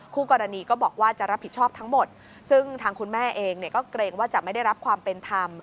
คู่กรณีก็บอกว่าจะรับผิดชอบทั้งหมดซึ่งทางคุณแม่เองเนี่ยก็เกรงว่าจะไม่ได้รับความเป็นธรรม